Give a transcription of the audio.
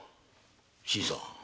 新さん。